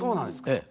ええ。